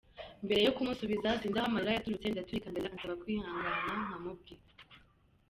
Mbere yo kumusubiza sinzi aho amarira yaturutse ndaturika ndarira, ansaba kwihangana nkamubwira.